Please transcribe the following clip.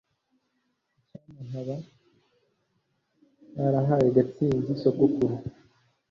Icyampa nkaba ntarahaye Gatsinzi sogokuru